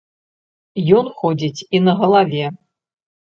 Ён ходзіць і на галаве.